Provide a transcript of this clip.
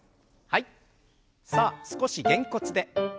さあ少しげんこつで。